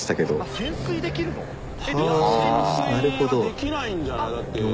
潜水はできないんじゃない？だって。